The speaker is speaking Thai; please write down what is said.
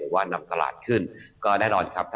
ว่านำตลาดขึ้นก็แน่นอนครับ